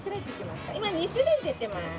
今２種類出てます。